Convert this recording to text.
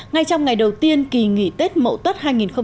ngay trong ngày đầu tiên kỳ nghỉ tết mậu tất hai nghìn một mươi tám